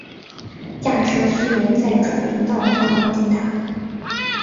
驾车需由再转林道方能抵达。